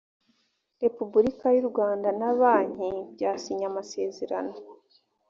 repubulika y u rwanda na banki byasinye amasezerano.